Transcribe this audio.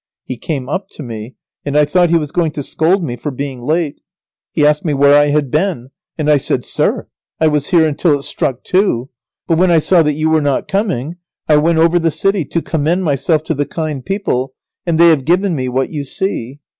He came up to me, and I thought he was going to scold me for being late. He asked me where I had been, and I said, "Sir! I was here until it struck two. But when I saw that you were not coming, I went over the city, to commend myself to the kind people, and they have given me what you see."